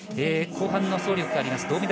後半の走力があります